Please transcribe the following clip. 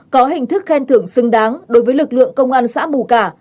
có hình thức khen thưởng xứng đáng đối với lực lượng công an xã mù cả